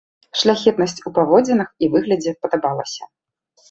Шляхетнасць у паводзінах і выглядзе падабалася.